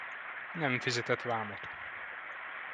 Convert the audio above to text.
Nem fizetett vámot!